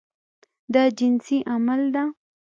دا جنسي عمل ده.